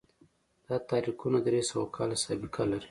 دا تحریکونه درې سوه کاله سابقه لري.